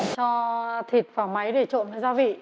cho thịt vào máy để trộn với gia vị